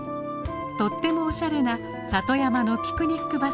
とってもおしゃれな里山のピクニックバスケットです。